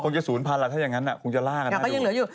คงจะ๐๐๐๐ละถ้าอย่างนั้นคงจะลากันมากดู